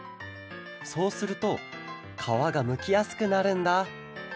そうするとかわがむきやすくなるんだ。